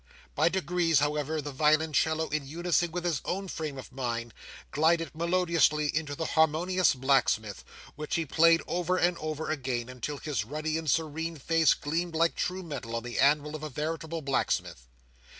By degrees, however, the violoncello, in unison with his own frame of mind, glided melodiously into the Harmonious Blacksmith, which he played over and over again, until his ruddy and serene face gleamed like true metal on the anvil of a veritable blacksmith.